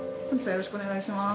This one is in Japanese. よろしくお願いします。